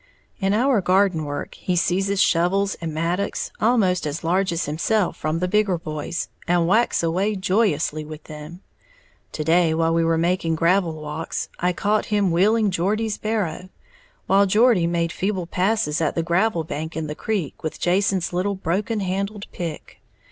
In our garden work, he seizes shovels and mattocks almost as large as himself from the bigger boys, and whacks away joyously with them. To day while we were making gravel walks, I caught him wheeling Geordie's barrow, while Geordie made feeble passes at the gravel bank in the creek with Jason's little broken handled pick.